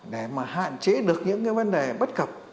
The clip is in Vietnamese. để hạn chế được những vấn đề bất cập